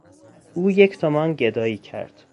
او یک تومان گدایی کرد.